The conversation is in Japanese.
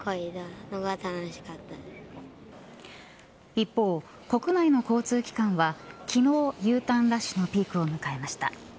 一方、国内の交通機関は昨日Ｕターンラッシュのピークを迎えました。